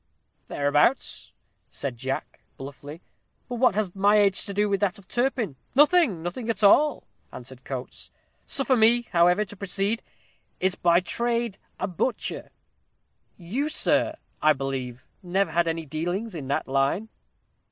"Thereabouts," said Jack, bluffly. "But what has my age to do with that of Turpin?" "Nothing nothing at all," answered Coates; "suffer me, however, to proceed: 'Is by trade a butcher,' you, sir, I believe, never had any dealings in that line?"